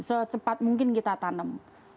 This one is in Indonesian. secepat mungkin kita tanam